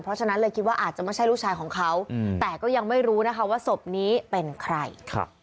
เพราะฉะนั้นเลยคิดว่าอาจจะไม่ใช่ลูกชายของเขาแต่ก็ยังไม่รู้นะคะว่าศพนี้เป็นใคร